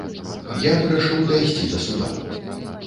Я вырашыў дайсці да суда.